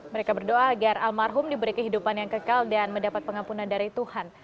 mereka berdoa agar almarhum diberi kehidupan yang kekal dan mendapat pengampunan dari tuhan